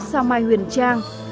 sao mai huyền trang